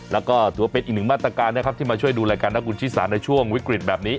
แล้วก็ถือว่าเป็นอีกหนึ่งมาตรการนะครับที่มาช่วยดูรายการนะคุณชิสาในช่วงวิกฤตแบบนี้